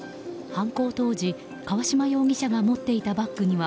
犯行当時、川嶋容疑者が持っていたバッグには